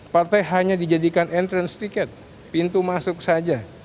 partai hanya dijadikan entrance ticket pintu masuk saja